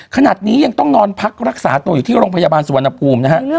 ขนาดนี้ยังต้องนอนพักรักษาตัวอยู่ที่โรงพยาบาลสุวรรณภูมินะฮะ